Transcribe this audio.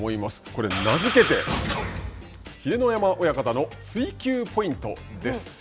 これ名付けて秀ノ山親方の追求ポイントです。